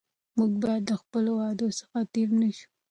موږ باید له خپلو وعدو څخه تېر نه شو.